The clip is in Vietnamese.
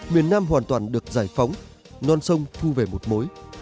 miền nam hoàn toàn được giải phóng non sông thu về một mối